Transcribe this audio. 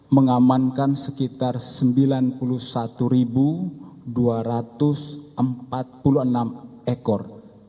mengamankan sekitar sembilan puluh satu dua ratus empat puluh enam ekor